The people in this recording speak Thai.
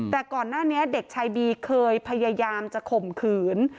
แต่ก่อนหน้านี้เด็กชายบีเคยพยายามจะข่มขืน